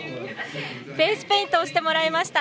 フェースペイントをしてもらいました。